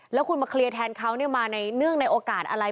แล้วคุณมาเคลียร์แทนเขามาในเนื่องในโอกาสอะไร